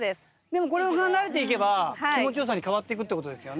でもこれ慣れていけば気持ち良さに変わってくってことですよね。